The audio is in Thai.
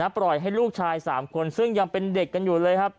ปล่อยให้ลูกชาย๓คนซึ่งยังเป็นเด็กกันอยู่เลยครับ